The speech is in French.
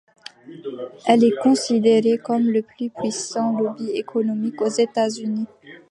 Elle est considérée comme le plus puissant lobby économique aux États-Unis.